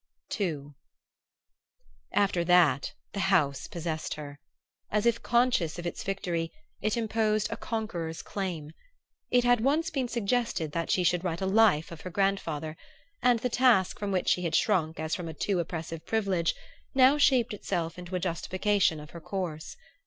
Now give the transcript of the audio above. II After that the House possessed her. As if conscious of its victory, it imposed a conqueror's claims. It had once been suggested that she should write a life of her grandfather, and the task from which she had shrunk as from a too oppressive privilege now shaped itself into a justification of her course.